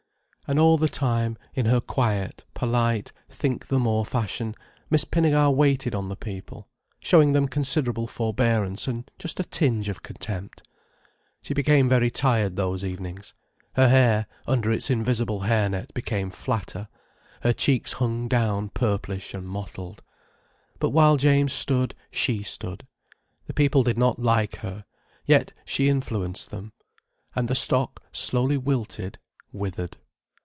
And all the time, in her quiet, polite, think the more fashion Miss Pinnegar waited on the people, showing them considerable forbearance and just a tinge of contempt. She became very tired those evenings—her hair under its invisible hairnet became flatter, her cheeks hung down purplish and mottled. But while James stood she stood. The people did not like her, yet she influenced them. And the stock slowly wilted, withered.